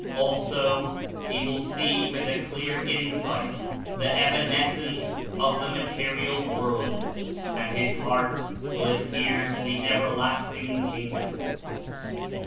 76 Also, he will see with a clear insight the evanescense of the material world and his heart will adhere to the everlasting Kingdom.